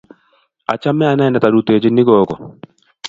Achame anendet arutochini gogo